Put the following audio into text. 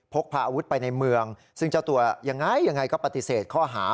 พกพาอาวุธไปในเมืองซึ่งเจ้าตัวยังไงยังไงก็ปฏิเสธข้อหา